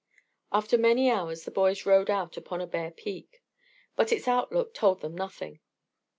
After many hours the boys rode out upon a bare peak. But its outlook told them nothing.